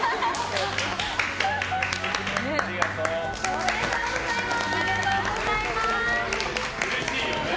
ありがとうございます。